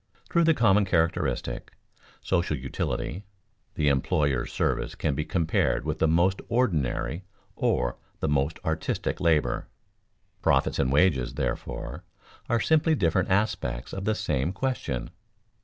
Through the common characteristic, social utility, the employer's service can be compared with the most ordinary or the most artistic labor. Profits and wages, therefore, are simply different aspects of the same question.